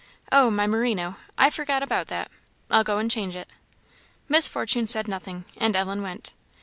"Oh, my merino! I forgot about that. I'll go and change it." Miss Fortune said nothing, and Ellen went.